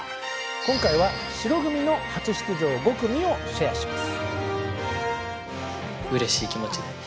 今回は白組の初出場５組をシェアします。